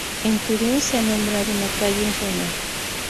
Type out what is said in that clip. En Turín se ha nombrado una calle en su honor.